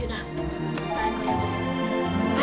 setahun ya pak